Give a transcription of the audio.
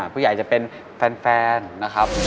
ผู้ใหญ่จะเป็นแฟนนะครับ